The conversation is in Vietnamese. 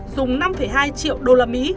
dùng năm hai triệu đô la mỹ